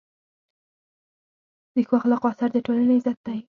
د ښو اخلاقو اثر د ټولنې عزت دی.